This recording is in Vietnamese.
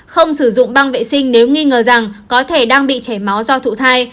không sử dụng băng vệ sinh nếu nghi ngờ rằng có thể đang bị chảy máu do thụ thai